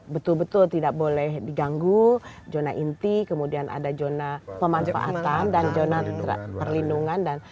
betul betul tidak boleh diganggu zona inti kemudian ada zona pemanfaatan dan zona perlindungan dan